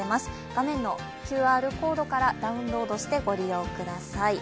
画面のＱＲコードからダウンロードしてご利用ください。